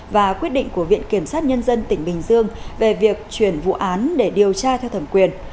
và quyết định của viện kiểm sát nhân dân tỉnh bình dương về việc chuyển vụ án để điều tra theo thẩm quyền